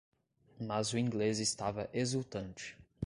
Mas o inglês estava exultante.